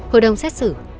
hội đồng xét xử